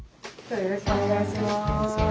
よろしくお願いします。